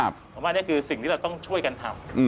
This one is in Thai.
ผมว่านี่คือสิ่งที่เราต้องช่วยกันทำ